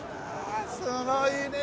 すごいね